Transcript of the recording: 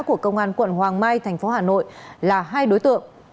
của công an quận hoàng mai thành phố hà nội là hai đối tượng